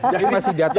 jadi masih diatas